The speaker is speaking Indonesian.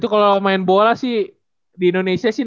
kalau main bola sih di indonesia sih